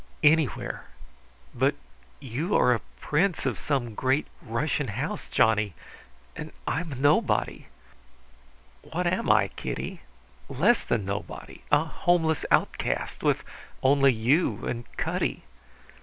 "Anywhere. But you are a prince of some great Russian house, Johnny, and I am nobody." "What am I, Kitty? Less than nobody a homeless outcast, with only you and Cutty.